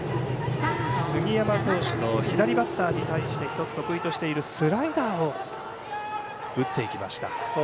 杉山投手の左バッターに対して１つ得意としているスライダーを打っていきました。